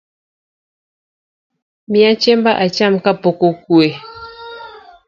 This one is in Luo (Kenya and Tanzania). Miya chiemba acham kapok okue.